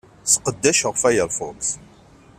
Sseqdaceɣ Firefox.